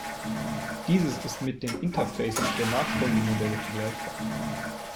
Dieses ist mit den Interfaces der Nachfolgemodelle vergleichbar.